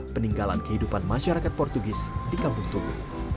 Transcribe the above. peninggalan kehidupan masyarakat portugis di kampung tugu